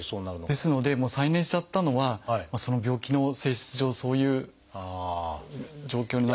ですのでもう再燃しちゃったのはその病気の性質上そういう状況に。